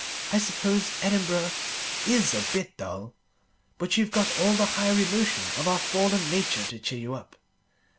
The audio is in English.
I suppose Edinburgh is a bit dull, but you've got all the higher emotions of our fallen nature to cheer you up.